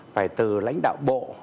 phải từ lãnh đạo bộ